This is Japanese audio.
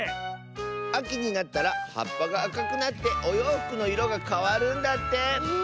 あきになったらはっぱがあかくなっておようふくのいろがかわるんだって！